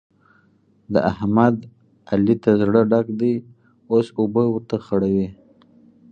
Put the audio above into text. د احمد؛ علي ته زړه ډک دی اوس اوبه ورته خړوي.